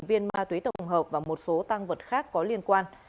sáu viên ma túy tổng hợp và một số tang vật khác có liên quan